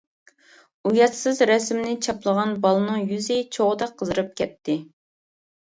ئۇياتسىز رەسىمنى چاپلىغان بالىنىڭ يۈزى چوغدەك قىزىرىپ كەتتى.